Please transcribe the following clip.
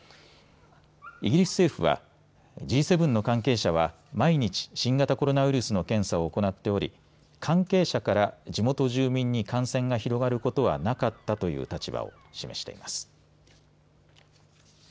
イギリス政府はＧ７の関係者は毎日、新型コロナウイルスの検査を行っており関係者から地元住民に感染が広がることはなかったという立場を示しています。